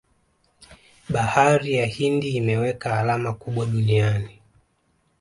bahari ya hindi imeweka alama kubwa duniani